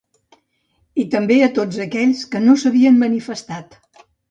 I també a tots aquells que no s’havien manifestat.